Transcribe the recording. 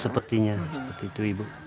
sepertinya seperti itu ibu